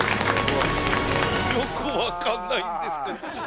よく分かんないんですけど。